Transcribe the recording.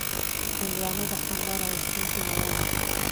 هندوانه د خندا راوستونکې میوه ده.